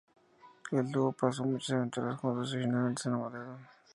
El dúo pasó muchas aventuras juntos y finalmente se enamoraron.